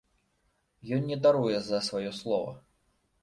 Ён не даруе за сваё слова.